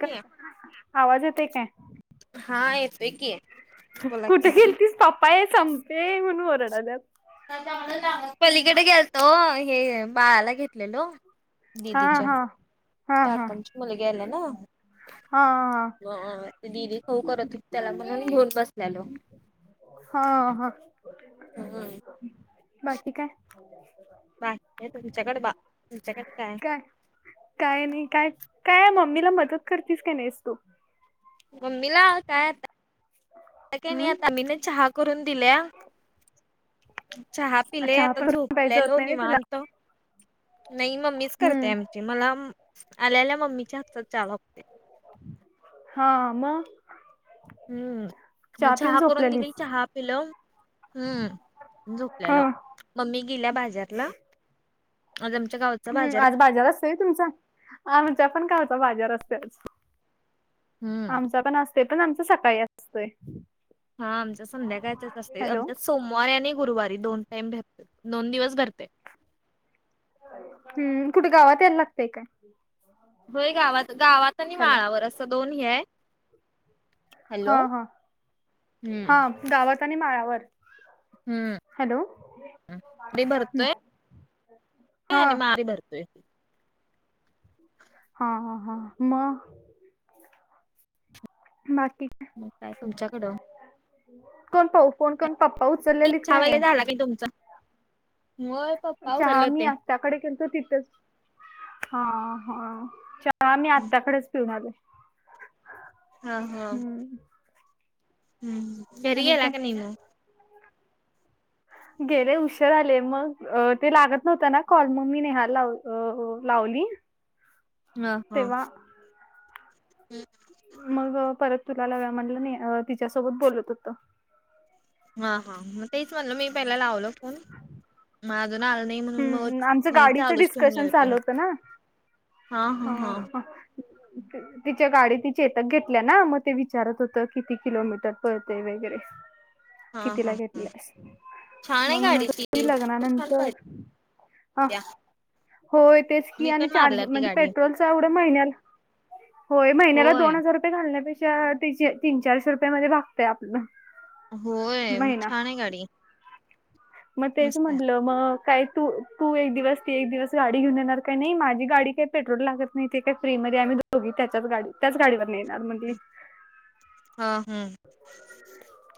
करता आवाज येते काय हा येतोय की. बोला कुठे की गेलतीस पप्पा ए चमते म्हणून ओरडाल्यात. पलीकडे गेलतो ओ, हे बाळाला घेतलेलो. हा दिदीच्या हा हा हा. काकांची मुलगी आल्या ना हा हा हा. मग ती दीदी खाऊ करत होती त्याला म्हणून घेऊन बसलेलो. हा हा. हम हम. बाकी काय? बाकी काय तुमच्याकडे बा. आमच्याकडे काय? काय नाही काय, काय मम्मीला मदत करतीस काय नाहीस तू? मम्मीला काय आता ता काय नाही आता हम्म मम्मी न चहा करून दिल्या. चहा पिलेय चहा आता पण प्यायचं होत झोपलेलो नाही व्हय तुला निवांत. नाही मम्मीच करते हम्म आमची मला आल्या आल्या मम्मीच्या हातचा चहा लागतो. हा मग हम्म, मग पिऊन चहा करून दिली झोपलेलीस चहा पिलो. हम्म हा झोपल्यालो. मम्मी गेल्या बाजारला. आज आमच्या गाव हम् आज बाजार असतोय तुमचा आमच्या पण गावचा बाजार असतोय. हम्म. आमचा पण असतंय, पण आमचं सकाळी असतंय. हा आमच्यात संध्याकाळचं असतंय आमच्यात सोमवारी आणि गुरुवारी दोन टाईम भेटतात. दोन दिवस भरतंय. हम्म कुट गावात यायला लागते काय? होय गावात गावात आणि हॅलो माळावर असं दोन हे हाय. हा हा. हम्म हा गावात आणि माळावर. हम्म हॅलो कडी [unintelligible] हं. भरतोय. हा [unintelligible] मग आम्ही धरतोय. हा हा हा मग बाकी काय? मग काय तुमच्याकडं. कोण पाऊ कोण कोण पप्पा उचललेलीत काय तूमचा [unintelligible] मळ चहा मी आत्याकडे गेलतो तिथेच. हा हा च्या चहा मी आत्याकडेच पिऊन आलोय. हा. हा. घरी आणि गेला काय की नाही मग? गेले ऊशेर आले. मग ते लागत नव्हता ना कॉल, मग मी नेहाला लाव अ लावली. [inaudible] ह हा. तेव्हा [inaudible] मग, परत तुला लावूया म्हटलं तिच्यासोबत बोलत होतो. हा. हा. मग तेच म्हणल, मी पहिला लावलो फोन मग, अजून आल नाही म्हणून हम्म मग आमचं नेट गाडीचं चालूच ठेवले डिस्कशन होती चालू मग होतं ना हा. हा. तिच्या गाडी चेतक घेतल्या ना मग, ते विचारत होत किती किलोमीटर पडते वगैरे. [inaudible] हा हा कितीला हा घेतल्यास छान मग, आहे म्हणत गाडी ती होती लग्नानंतर ह या. होय, तेच की आणि चार्ज ती म्हणजे गाडी पेट्रोलचा एवढा महिन्याला, होय महिन्याला होय दोन हजार [unintelligible] घालण्यापेक्षा, तीनशे तीन चारशे रुपयांमध्ये भागत ते आपलं होय महिना. छान आहे गाडी मग तेच मस्त आहे. म्हंटलं मग, काय तू तू एक दिवस, ती एक दिवस गाडी घेऊन येणार काही नाही माझी गाडी काही पेट्रोल लागत नाही. ते काय फ्रीमध्ये आम्ही दोघी त्याच्याच गाडीत त्याच गाडीवरन येणार मग ही. हा, हा,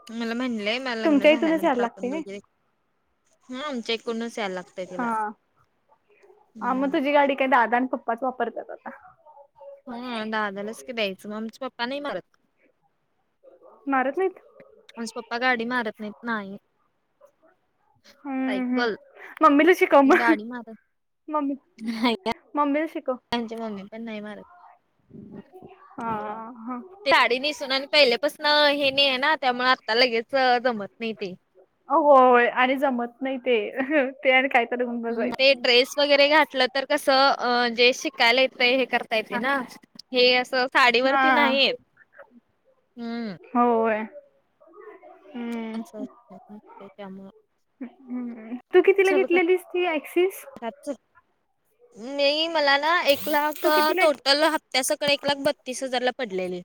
मला म्हणलंय माझं लग्न तुमच्या इथूनच झाल्यानंतर यायला लागते आपण व्हय दोघी हा, आमच्या इकडूनच यायला लागतय तिला. हा. हा. मग हम्म. तुझी गाडी काय दादा आणि पप्पाच वापरत्यात आता. हां दादालाच की द्यायचं मग आमचा पप्पा नाही मारत. मारत नाहीत? आमचं पप्पा गाडी मारत नाहीत नाही. हम्म हम्म सायकल मम्मीला शिकव मग गाडी मारत मम्मी [unintelligible] मम्मीला शिकव. आमची मम्मी पण नाही मारत. हा. हा. ते साडी नेसून आणि पहिल्यापासंन हे नाही आहे ना, त्यामुळे आत्ता लगेच जमत नाही ते. होय आणि जमत नाही ते. ते आणि काय तर घे ते ड्रेस वगैरे घाातलं तर कसं जे शिकायला येतय हे करतं पाहिजे ना हे असं हा साडीवरती नाही येत हम्म. होय. हम्म असं [unintelligible] त्यामुळं तू कितीला घेतलेलीस ती ऍक्सिस? आता चल. नाही मला ना एक लाख तू कितीला टोटल त्या सकट एक लाख बत्तीस हजार ला पडलेली.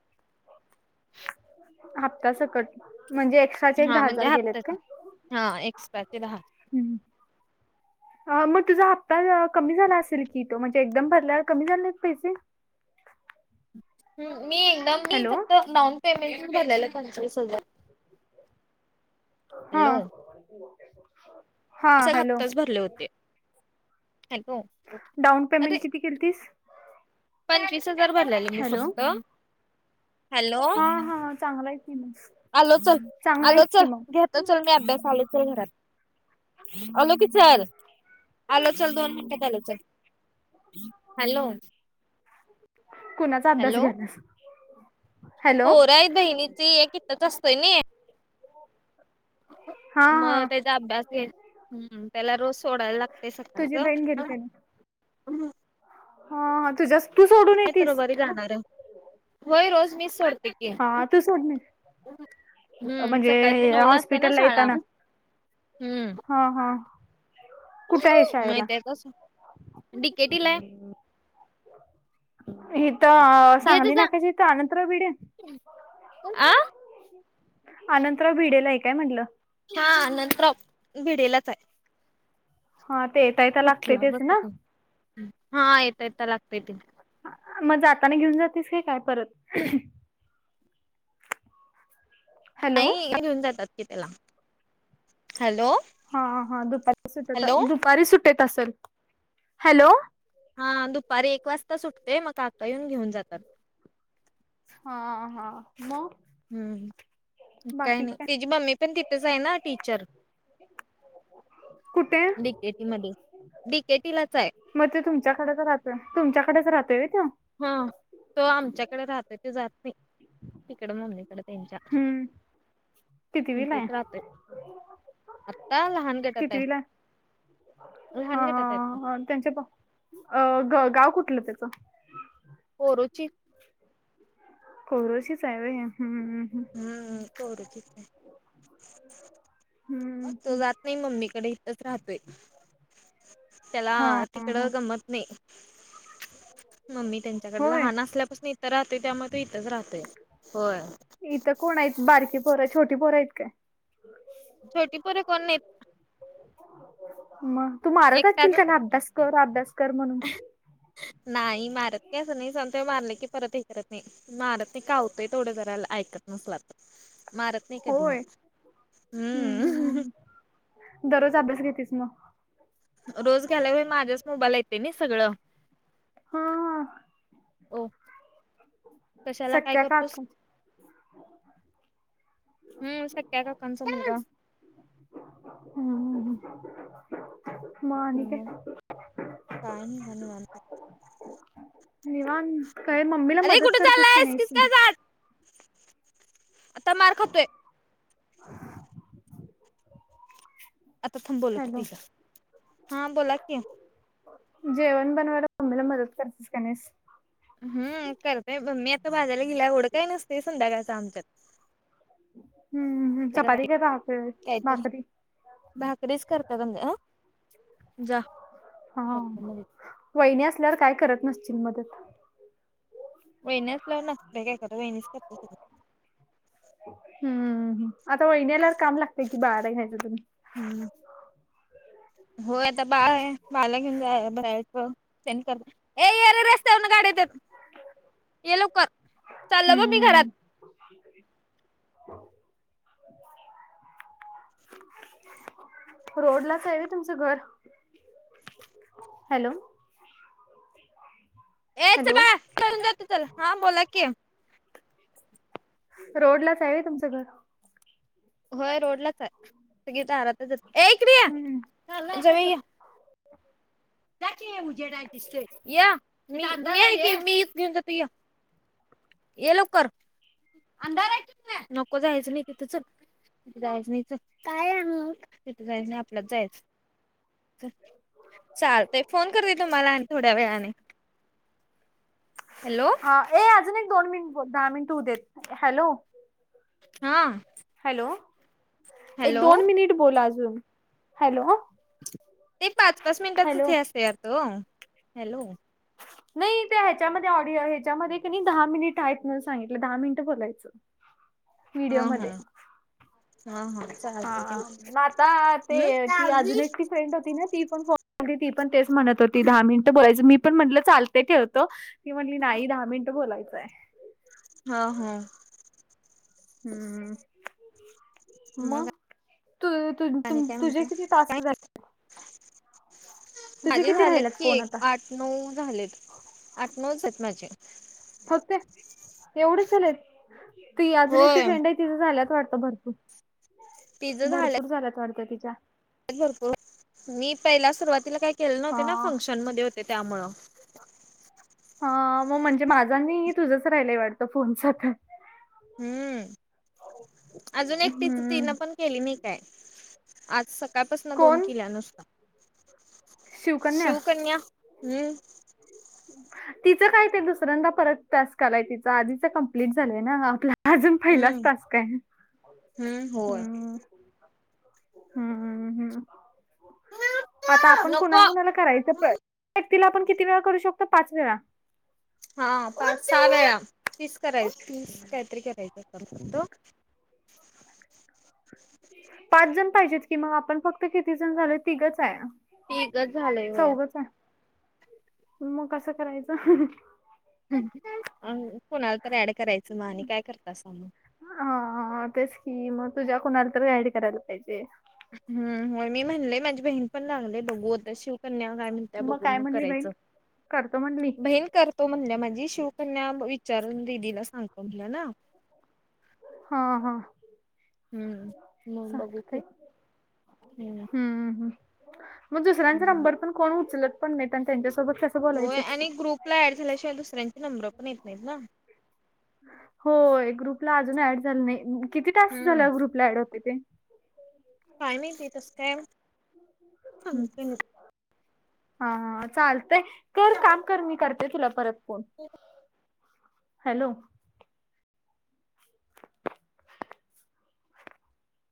हप्त्या सकट म्हणजे? एक्स्ट्राचे एक हा दहा म्हणजे, हजार गेलेत का हप्तचा हा एक्स्पेक्टेड दहा हंम्म. मग तुझा हप्ता कमी झाला असेल की, तो म्हणजे एकदम भरल्यावर कमी झालं नाहीत पैसे. ह. मी एकदम मी हॅलो फक्त डाऊन पेमेंट भरलेला पंचवीस हजार. हा. हॅलो. हा असे हॅलो हप्ताच भरले होते. डाऊन पेमेंट अरे, किती केलतीस पंचवीस हजार भरलेले मी हॅलो फक्त. हॅलो हा. हा. चांगला आहे की मिक्स आलो चल, आलो चल, घेतो चल मी अभ्यास आलो चल घरात. आलो की चल, आलो चल दोन मिनिटात आलो चल. हॅलो. कुणाचा अभ्यास हॅलो. घ्यायलास हॅलो पोरं आहेत बहिणीची. एक इथेच असतंय नई. हा मग हा त्याचा अभ्यास घेत त्याला रोज सोडायला लागतय तुझी बहीण गेली सकाळचं. का नाही हा हा तूझ जास् व्हय रोज मीच सोडते. ते की हा तू सोडून ये- हम्म सकाळच्या म्हणजे नऊला असते ना हॉस्पिटलला शाळा. येताना हम्म. हा. हा. कुठे आहे शाळेला [unintelligible] डि के टी ला आहे. हित सांगली नाक्याच्या हितं अनंतराव भिडे. आं. आनंतराव भिडेला आहे काय म्हणलं? हा अनंतराव भिडेलाच हाय. हा ते येता येता लागते कुठला तेच बसत ना. नाही. हा येता येता लागतंय ते. मग जाताना घेऊन जातीस का काय परत? आई हॅलो नाही घेऊन जातात की त्याला हॅलो. हा हा दुपारी सुटत, हॅलो दुपारी सुटेत असेल हॅलो. हा दुपारी एक वाजता सुटतेय मग काका येऊन घेऊन जातात. हा हा मग. हम्म, काय नाही. त्याची मम्मी पण तिथेच आहे ना टीचर. कुठे डी के टी मध्ये डी के टी लाच हाय. मग ते तुमच्याकडेच राहतोय, तुमच्याकडेच राहते व्हय तेव. हा तो आमच्याकडे राहतोय तो जात नाही. तिकडं मम्मी कड त्यांच्या. हम्म इथंच कितवीला आहे तेच राहत आत्ता लहान गटात हाय. कितवीला आहे हा त्यांच्या प अ ग गाव कुठलं त्याचं? कोरोची. कोरोचिचा हाय होय? हम्म हम्म. हम्म कोरोची च हाय हम्म तो जात नाही मम्मीकडे इथंच राहतोय. त्याला हा हा तिकडं गमत नाही. मम्मी त्यांच्याकडं होय लहान असल्यापासून इथं राहतोय, त्यामुळं तो इथंच राहतोय, होय. इथं कोण आहेत, बारकी पोर छोटी पोर आहेत काय? छोटी पोरं कोण नाहीत. मग तू मारत असशील एकटाच त्यांना अभ्यास कर अभ्यास कर म्हणून. नाही मारत की असं नाही [unintelligible] मारले की परत हे करत नाही. मारत नाही कावतोय तेवढं जरा ऐकत नसला तर मार कधी मी, होय हम्म. दररोज अभ्यास घेतीस मग रोज घ्यायला होय माझ्याच मोबाईल येते नाही सगळं. हा. ओ, कशाला काय सख्या करतोस? काका हम्म सख्या काकांचा मुलगा. हम्म. मग आणि काय. काय नाही बघा निवांत. निवांत काय मम्मीला अरे मदत कुठे करतेस की चाललायस नाहीस? किसका जात आता मार खातोय. [inaudible] आता थांब बोलवतो हॅलो तिला हा बोला की. जेवण बनवायला मम्मीला मदत करतीस का नाहीस. हम्म. करतय मी आता बाजराला गेल्या एवढं काय नसतेय संध्याकाळचं आमच्यात. चपाती, भाक काहीतरी भाकरी भाकरीच करत्यात आमच्यात. आ? हा. वहिनी असल्यावर काय करत नसशील मदत. वहिनी असल्यावर नसतोय काय करत, वहिनीच करत्या सगळं. हम्म. आता वहिनी आल्यावर काम लागतंय की बाळाला घ्यायचं तुम्ही. हम्म. होय आता बाळ आहे बाळाला घेऊन जा जायचं तेनी कर [unintelligible] ये येरे रस्त्यावरून गाडीेत येत्यात. ये लवकर चाललो बघ मी घरात. हम्म [inaudible] रोडलाच हाय होय तुमचं घर? हॅलो. येच हॅलो बा [unintelligible] हा बोला की. रोडलाच हाय व्हय तुमचं घर? होय रोडलाच आहे सगळी दारातच हम्म आहेत. जा की उजेड हाय दिसतंय. या म मी हाय की मी घेऊन जातो य. ये लवकर, नको जायचं नाही तिथं. तिथ जायच नाही चल. तिथं जायाचं नाही आपल्याच जायाचं चल. चालतय फोन करते तुम्हाला आणि थोड्या वेळाने हॅलो. ये अजून एक दोन मिनट बोल, दहा मिनट होऊ देत. हॅलो. हा. हॅलो. एक हॅलो दोन मिनिट बोल अजून, हॅलो. ते पाच, पाच मिनिटाच च हॅलो हे असतय वाटत ओ हॅलो. नाही त्या ह्याच्यामध्ये ऑडिओ ह्याच्यामध्ये कनई दहा मिनिट आहेत म्हणून सांगितलं, दहा मिनिट बोलायचं. [inaudible] हा हम्म व्हिडिओमध्ये हा हा. चालते की हा मग आता हम्म ते ती अजून एकटी फ्रेंड होती ना ती पण ती पण तेच म्हणत होती., दहा मिनिटं बोलायचं. मी पण म्हटलं चालतंय ठेवतो. ती म्हटली नाही दहा मिनिटं बोलायचंय. हा हो. हम्म. मग तु-तु-तुम-तुझे किती टास्क झाले? तुझे माझी किती झालेत राहिलेत की फोन एक आता आठ नऊ झालेत आठ, नऊच आहेत माझे. फक्त एवढेच झालेत? ही अजून एक ती होय फ्रेंड आहे तिचं झाल्यात वाटतं भरपूर, तिझं झालं भरपूर झाल्यात वाटत तिच्या. भरपूर मी पहिला सुरुवातीला काही केले नव्हते ना हा फंक्शनमध्ये होते त्यामुळं. हा मग म्हणजे माझं आणि तुझंच राहिलंय वाटतं फोनच काम. हम्म. अजून एकटीच हम्म तीन पण केली नाही काय, आज सकाळपासून दोन कोण केल्या नुसता. शिवकन्या हम्म. तिचं काय ते दुसऱ्यांदा परत टास्क आलाय तीचा. आधीचा कम्प्लीट झालाय ना आपला. अजून पहिलाच हम्म टास्क हाय. हम्म होय हम्म. आता आपण कुणा नको कुणाला करायचं [unintelligible] व्यक्तीला आपण किती वेळा करू शकतो? पाच वेळा. हा पाच सहा वेळा. तीस कराय तीस काहीतरी करायचे होतात फक्त. पाचजण पाहिजेत की मग, आपण फक्त किती जण झालोय, तिघच आहे. तिघच झालंय वया चौघंच आहे, मग कसं करायचं? अ कोणाला तर ऍड करायचं मग आणि काय करतासा मग. हा. हा. तेच की मग, तुझ्या कुणाला तरी ऍड करायला पाहिजे. हम्म होय. मी म्हणलेय माझी बहीण पण लागली बघू आता शिवकन्या काही म्हण त्या बघून काय मग म्हणली बहीण? करायचं‌. करतो म्हणली? बहिण कर तो म्हणल्या माझी. शिवकन्या विचारून दिदीला सांगतो म्हणलं ना. हा हा. हम्म मग बघू की चालतंय हम्म हम्म. मग दुसऱ्यांचा हम्म नंबर पण कोण उचलत पण नाही आणि त्यांच्यासोबत कसं होय बोलायचं? आणि ग्रुपला ऍड झाल्याशिवाय दुसऱ्यांचे नंबर पण येत नाहीत ना. होय ग्रुपला अजून ऍड झालं नाही. किती टास्क हम्म. झाला ग्रुपला ऍड होतंय ते? काय माहिती कसं काय हम्म. सांगितलं नाही. हा हा‌ चालतंय. कर काम कर, मी करते तुला परत फोन. हो. [unintelligible] हॅलो.